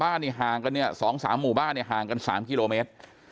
ห่างกันเนี่ย๒๓หมู่บ้านเนี่ยห่างกัน๓กิโลเมตร